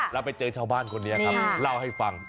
แล้วไปเจอชาวบ้านคนนี้ครับเล่าให้ฟัง